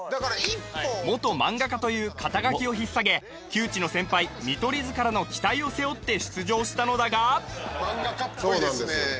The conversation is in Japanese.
元漫画家という肩書をひっさげ旧知の先輩見取り図からの期待を背負って出場したのだが漫画家っぽいですね